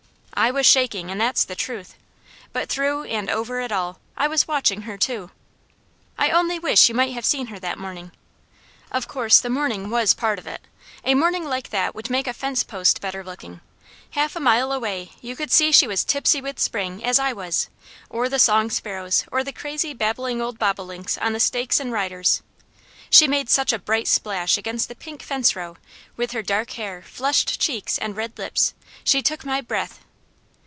I was shaking, and that's the truth; but through and over it all, I was watching her too. I only wish you might have seen her that morning. Of course the morning was part of it. A morning like that would make a fence post better looking. Half a mile away you could see she was tipsy with spring as I was, or the song sparrows, or the crazy babbling old bobolinks on the stakes and riders. She made such a bright splash against the pink fence row, with her dark hair, flushed cheeks, and red lips, she took my breath.